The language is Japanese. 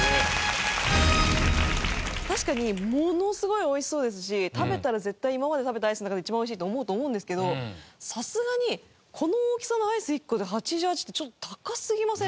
確かにものすごい美味しそうですし食べたら絶対今まで食べたアイスの中で一番美味しいと思うと思うんですけどさすがにこの大きさのアイス１個で８８ってちょっと高すぎません？